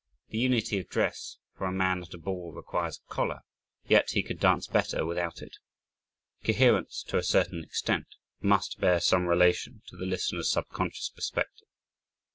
The "unity of dress" for a man at a ball requires a collar, yet he could dance better without it. Coherence, to a certain extent, must bear some relation to the listener's subconscious perspective.